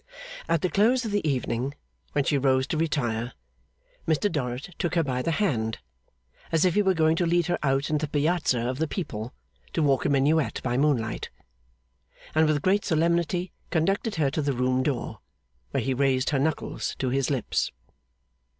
At the close of the evening, when she rose to retire, Mr Dorrit took her by the hand as if he were going to lead her out into the Piazza of the people to walk a minuet by moonlight, and with great solemnity conducted her to the room door, where he raised her knuckles to his lips.